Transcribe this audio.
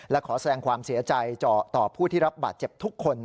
และขอแสดงความเสียใจต่อผู้ที่รับบาดเจ็บทุกคน